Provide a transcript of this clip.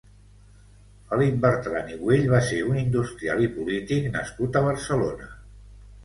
Felip Bertran i Güell va ser un industrial i polític nascut a Barcelona.